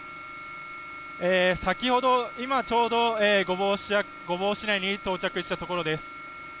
今ちょうど御坊市内に到着したところです。